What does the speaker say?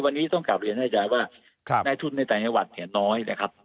วันนี้ต้องกลับเรียนแน่ใจว่านายทุนในธรรมชาวหวัดน้อย